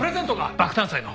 爆誕祭の。